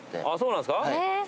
あぁそうなんですか。